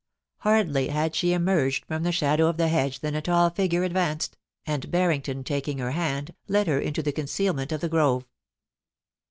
Hardly had she emerged from the shadow of the hedge than a tall figure advanced, and Barrington, taking her hand, led her into the conceal ment of the grove.